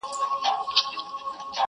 سړي وویل ستا ورور صدراعظم دئ.!